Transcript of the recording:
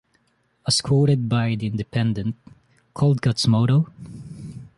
As quoted by The Independent: Coldcut's motto?